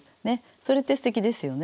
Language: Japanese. それってすてきですよね。